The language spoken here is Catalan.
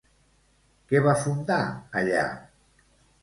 Què va fundar allà?